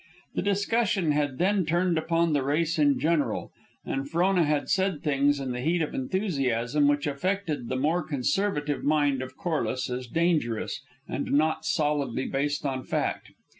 The discussion had then turned upon the race in general, and Frona had said things in the heat of enthusiasm which affected the more conservative mind of Corliss as dangerous and not solidly based on fact.